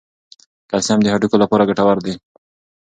کلسیم د هډوکو لپاره ګټور دی.